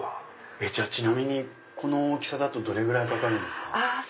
ちなみにこの大きさだとどれぐらいかかるんですか？